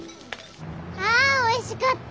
あおいしかった！